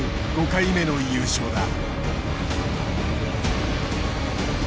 ５回目の優勝だ。